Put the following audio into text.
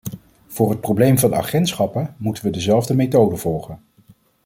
Voor het probleem van de agentschappen moeten we dezelfde methode volgen.